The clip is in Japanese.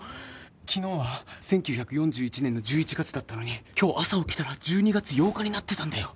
昨日は１９４１年の１１月だったのに今日朝起きたら１２月８日になってたんだよ。